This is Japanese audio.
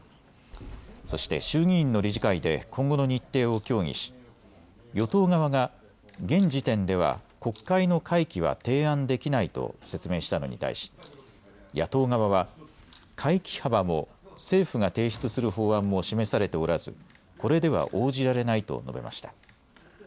そして衆議院の理事会で今後の日程を協議し与党側が現時点では国会の会期は提案できないと説明したのに対し、野党側は会期幅も政府が提出する法案も示されておらずこれでは応じられないと述べました。